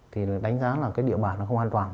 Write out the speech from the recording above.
thì đánh giá là cái địa bản nó không an toàn